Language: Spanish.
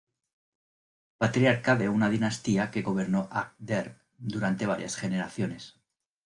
Patriarca de una dinastía que gobernó Agder durante varias generaciones.